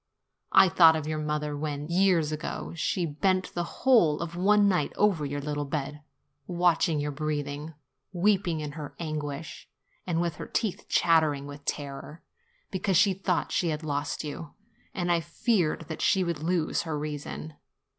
I thought of your mother when, years ago, she bent the whole of one night over your little bed, watching your breathing, weeping in her anguish, and with her teeth chattering with terror, be cause she thought that she had lost you ; and I feared that she would lose her reason.